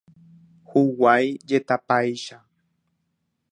Huguái jetapáicha.